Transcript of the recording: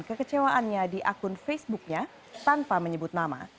kekecewaannya di akun facebooknya tanpa menyebut nama